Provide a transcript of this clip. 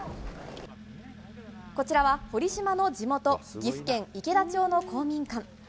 こちらは、堀島の地元岐阜県池田町の公民館。